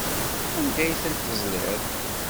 Anda ay ten-tezliḍ?